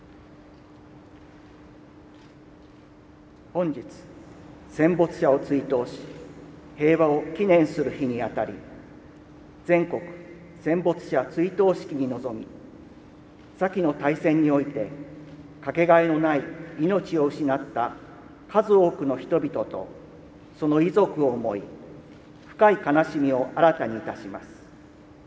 本日、戦没者を追悼し平和を祈念する日に当たり、全国戦没者追悼式に臨み、さきの大戦において、かけがえのない命を失った数多くの人々とその遺族を思い、深い悲しみを新たにいたします。